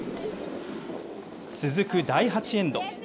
続く第８エンド。